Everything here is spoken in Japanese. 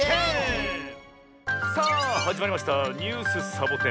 １０！さあはじまりました「ニュースサボ１０」。